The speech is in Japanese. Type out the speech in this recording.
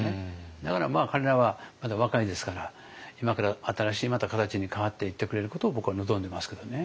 だから彼らはまだ若いですから今から新しいまた形に変わっていってくれることを僕は望んでますけどね。